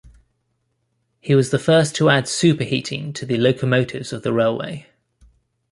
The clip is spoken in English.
He was the first to add superheating to the locomotives of the railway.